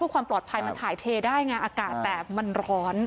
ความปลอดภัยมันถ่ายเทได้ไงอากาศแต่มันร้อน